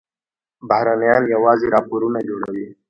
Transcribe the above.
بهرنیان یوازې راپورونه جوړوي.